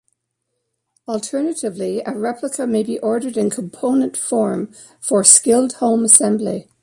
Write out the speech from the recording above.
Alternatively, a replica may be ordered in component form for skilled home assembly.